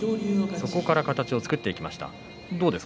そこから形を作っていきました。